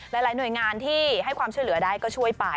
หลายหน่วยงานที่ให้ความช่วยเหลือได้ก็ช่วยไป